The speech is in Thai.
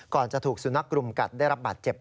ก่อนจะถูกสุนัขรุมกัดได้รับบาดเจ็บ